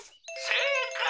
「せいかい！